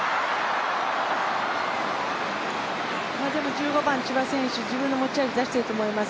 １５番、千葉選手、自分の持ち味出していると思います。